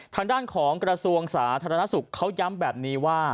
ทางด้านของกระทรวงสาธารณสุขเขาย้ำแบบนี้ว่า